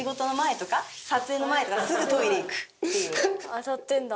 当たってんだ。